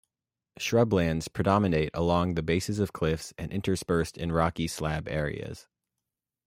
Shrublands predominate along the bases of the cliffs and interspersed in rocky slab areas.